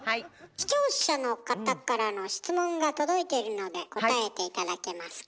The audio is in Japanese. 視聴者の方からの質問が届いているので答えて頂けますか？